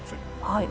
はい。